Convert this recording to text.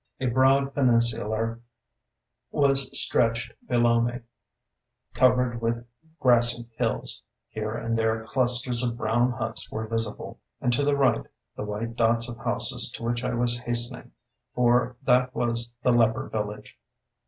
A broad peninsular was stretched below me, covered with grassy hills; here and there clusters of brown huts were visible, and to the right, the white dots of houses to which I was hastening, for that was the leper village.